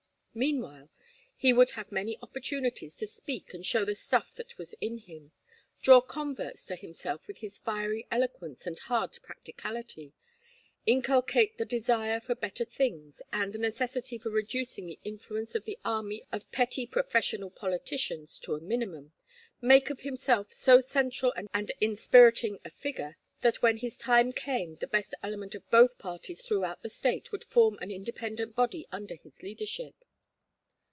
Meanwhile he would have many opportunities to speak and show the stuff that was in him, draw converts to himself with his fiery eloquence and hard practicality, inculcate the desire for better things, and the necessity for reducing the influence of the army of petty professional politicians to a minimum, make of himself so central and inspiriting a figure that when his time came the best element of both parties throughout the State would form an independent body under his leadership.